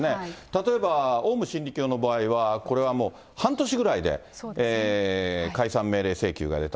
例えばオウム真理教の場合は、これはもう、半年ぐらいで解散命令請求が出た。